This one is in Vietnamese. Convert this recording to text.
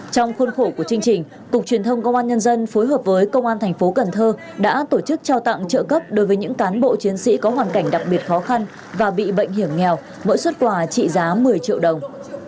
trong khuôn khổ của chương trình cục truyền thông công an nhân dân phối hợp với công an thành phố cần thơ đã tổ chức trao tặng trợ cấp đối với những cán bộ chiến sĩ có hoàn cảnh đặc biệt khó khăn và bị bệnh hiểm nghèo mỗi xuất quà trị giá một mươi triệu đồng